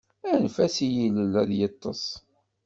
Anef-as i yilel ad yeṭṭes.